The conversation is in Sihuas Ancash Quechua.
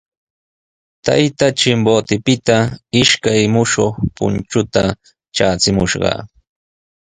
Taytaa Chimbotepita ishkay mushuq punchuta traachimushqa.